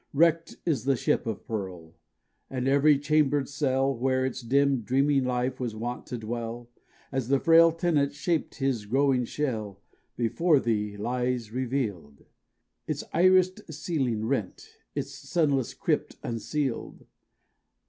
Wrecked is the ship of pearl! And every chambered cell, Where its dim dreaming life was wont to dwell, As the frail tenant shaped his growing shell, Before thee lies revealed,— Its irised ceiling rent, its sunless crypt unsealed!